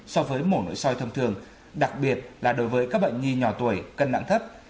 so với mổ nội soi thông thường đặc biệt là đối với các bệnh nhi nhỏ tuổi cân nặng thấp